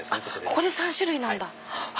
ここで３種類なんだ。